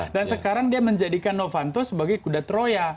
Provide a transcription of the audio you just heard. dan sekarang dia menjadikan novanto sebagai kuda troya